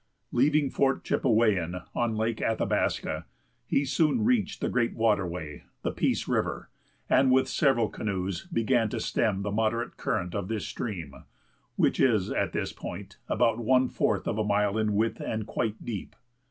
Leaving Fort Chipewyan on Lake Athabasca, he soon reached that great waterway, the Peace River, and with several canoes began to stem the moderate current of this stream, which is at this point about one fourth of a mile in width and quite deep.